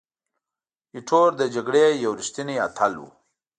ایټور د جګړې یو ریښتینی اتل وو.